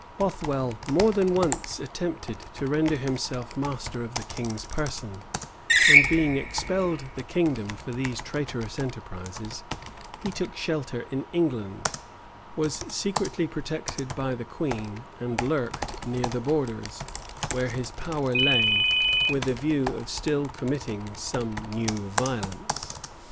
Both well more than once attempted to render himself master of the king's person; and being expelled the kingdom for these traitorous enterprises, he took shelter in England, was secretly protected, by the queen, and lurked near the borders, where his power lay, with a view of still committing some new violence.